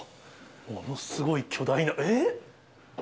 ものすごい巨大な、えー？